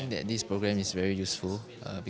saya pikir program ini sangat berguna